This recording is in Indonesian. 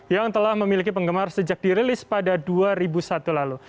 yang telah memiliki penggemar sejak dirilis pada dua ribu satu lalu